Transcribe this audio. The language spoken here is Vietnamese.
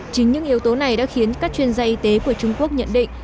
chính những yếu tố này đã khiến các chuyên gia y tế của trung quốc nhận định